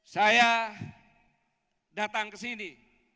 saya datang ke sini